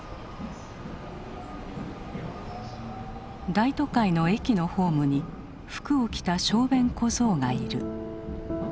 大都会の駅のホームに服を着た小便小僧がいる。